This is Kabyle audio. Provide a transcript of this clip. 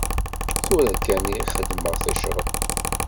Tura kan i d-xedmeɣ ticreḍt.